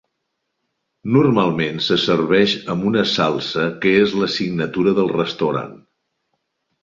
Normalment se serveix amb una salsa que és la signatura del restaurant.